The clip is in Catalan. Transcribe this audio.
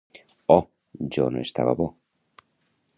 O, Jo no estava bo!